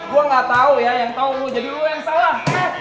gue nggak tau ya yang tau jadi lo yang salah